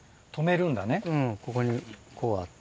うんここにこうあって。